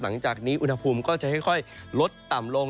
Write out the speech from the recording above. หลังจากนี้อุณหภูมิก็จะค่อยลดต่ำลง